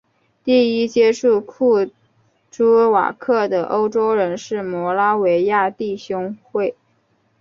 第一群接触库朱瓦克的欧洲人是摩拉维亚弟兄会。